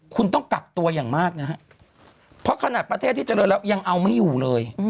คุณต้องกักตัวอย่างมากนะฮะเพราะขนาดประเทศที่เจริญแล้วยังเอาไม่อยู่เลย